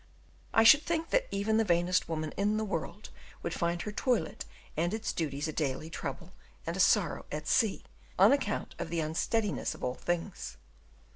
I should think that even the vainest woman in the world would find her toilet and its duties a daily trouble and a sorrow at sea, on account of the unsteadiness of all things.